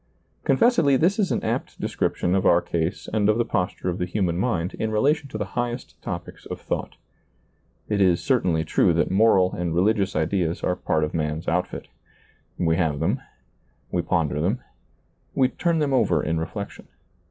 Confessedly this is an apt description of our case and of the posture of the human mind, in relation to the highest topics of thought. It is ^lailizccbvGoOgle SEEING DARKLY 7 certainly true that moral and religious ideas are part of man's outfit. We have them. We ponder them. We turn them over in reflection.